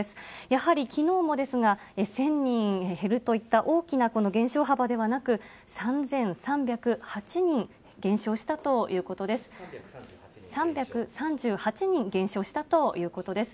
やはりきのうもですが、１０００人減るといった大きな減少幅ではなく、３３８人減少したということです。